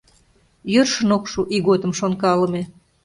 Йӧршын ок шу ийготым шонкалыме